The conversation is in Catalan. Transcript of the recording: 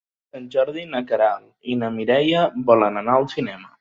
Per Sant Jordi na Queralt i na Mireia volen anar al cinema.